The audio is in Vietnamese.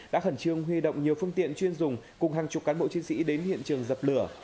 đã khẩn trương huy động nhiều phương tiện chuyên dùng cùng hàng chục cán bộ chiến sĩ đến hiện trường dập lửa